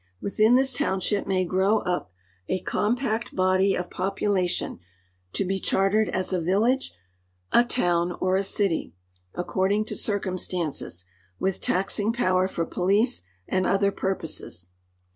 V'ithin this tf)wnship may grow up a compact body of po])ula tion to be chartered as a village, a town, or a (dty, according to circumstances, with taxing ])ower for police and other purposes.